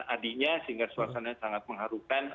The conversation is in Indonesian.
adiknya sehingga suasananya sangat mengharukan